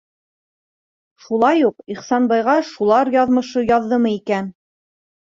Шулай уҡ Ихсанбайға шулар яҙмышы яҙҙымы икән?